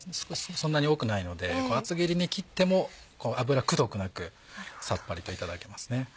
そんなに多くないので厚切りに切っても脂くどくなくさっぱりといただけますね。